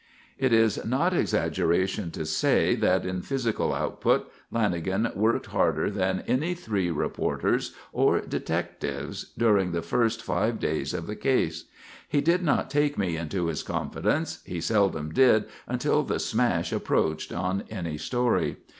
It is not exaggeration to say that in physical output Lanagan worked harder than any three reporters or detectives during the first five days of the case. He did not take me into his confidence: he seldom did until the "smash" approached on any story.